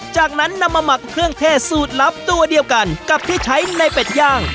จากนั้นนำมาหมักเครื่องเทศสูตรลับตัวเดียวกันกับที่ใช้ในเป็ดย่าง